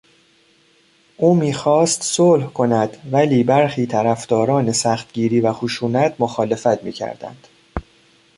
او میخواست صلح کند ولی برخی طرفداران سختگیری و خشونت، مخالفت میکردند.